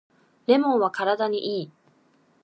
レモンは体にいい